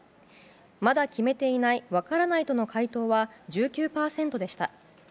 まだ決めていない・分からないとの回答は１９％でした。